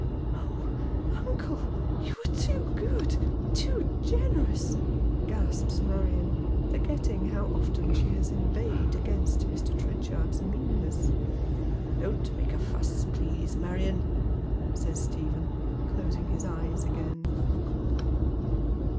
" Oh, uncle, you are too good, too generous," gasps Marion, forgetting how often she has inveighed against Mr. Trenchard's meanness. " Don't make a fuss, please, Marion," says Stephen, closing hia eyes again.